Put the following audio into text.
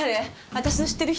私の知ってる人？